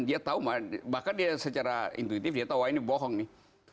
dia tahu bahkan dia secara intuitif dia tahu wah ini bohong nih